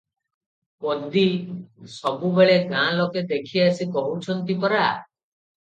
ପଦୀ - ସବୁବେଳେ ଗାଁ ଲୋକେ ଦେଖି ଆସି କହୁଛନ୍ତି ପରା?